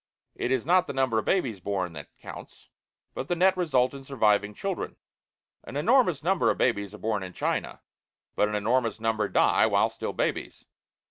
It is not the number of babies born that counts, but the net result in surviving children. An enormous number of babies are born in China; but an enormous number die while still babies.